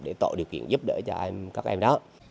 để tội điều kiện giúp đỡ cho các em đó